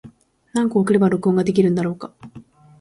何個送れば録音ができるんだろうか。